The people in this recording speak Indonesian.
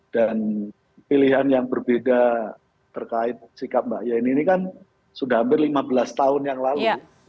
pilihan yang berbeda terkait sikap mbak yeni ini kan sudah hampir lima belas tahun yang lalu